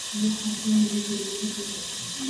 Jugaba de lateral derecho o volante de marca.